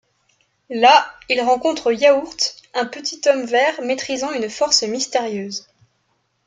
Là, ils rencontrent Yaourt, un petit homme vert maîtrisant une force mystérieuse...